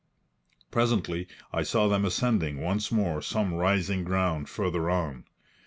Presently I saw them ascending once more some rising ground farther on.